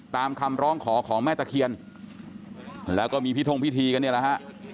ตามคำร้องขอของแม่ตะเคียนแล้วก็มีพิทงพิธีกันเนี่ยแหละฮะ